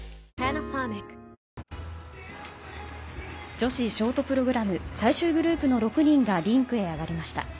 女子ショートプログラム最終グループの６人がリンクへ上がりました。